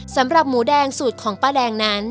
สำหรับหมูแดงสูตรของป้าแดงนั้น